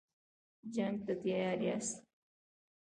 جنګ ته تیار یاست.